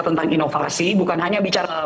tentang inovasi bukan hanya bicara